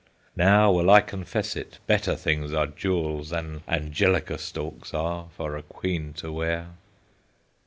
"Now will I confess it, Better things are jewels Than angelica stalks are For a Queen to wear."